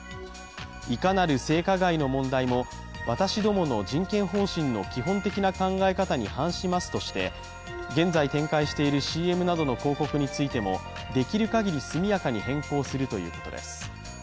いかなる性加害の問題も私どもの人権方針の基本的な考え方に反しますとして現在展開しているＣＭなどの広告についてもできる限り速やかに変更するということです。